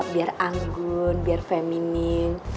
biar anggun biar feminin